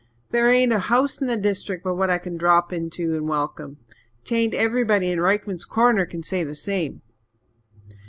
There ain't a house in the district but what I can drop into and welcome. 'Tain't everybody in Rykman's Corner can say the same."